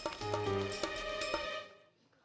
kalaucingan bununya gakait bro